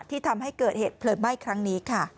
ทำให้เกิดเหตุเพลิงไหม้ครั้งนี้ค่ะ